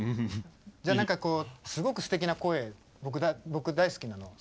じゃあすごくすてきな声僕大好きなの。